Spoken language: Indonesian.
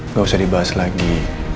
nggak usah dibahas lagi